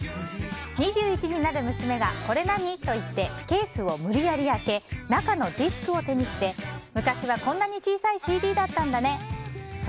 ２１になる娘がこれ何？と言ってケースを無理やり開け中のディスクを手にして昔はこんなに小さいＣＤだったんだねと。